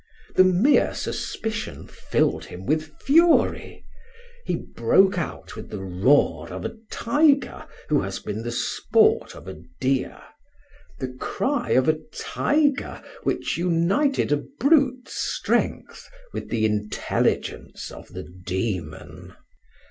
The mere suspicion filled him with fury, he broke out with the roar of a tiger who has been the sport of a deer, the cry of a tiger which united a brute's strength with the intelligence of the demon.